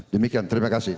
demikian terima kasih